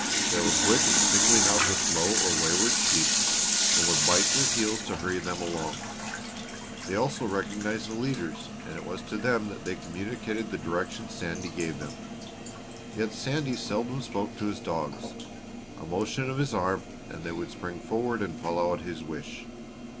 They were quick in singling out the slow or wayward sheep and would bite their heels to hurry them along. They also recognized the leaders and it was to them that they communicated the directions Sandy gave them. Yet Sandy seldom spoke to his dogs. A motion of his arm and they would spring forward and follow out his wish.